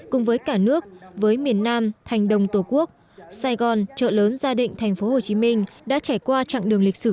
cùng với cả nước với miền nam thành đồng tổ quốc sài gòn chợ lớn gia định tp hcm đã trải qua chặng đường lịch sử